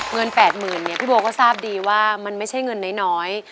เงิน๘๐๐๐เนี่ยพี่โบก็ทราบดีว่ามันไม่ใช่เงินน้อย